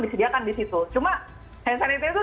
disediakan di situ cuma hand sanitizer itu